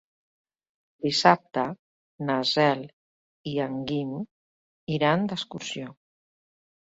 Dissabte na Cel i en Guim iran d'excursió.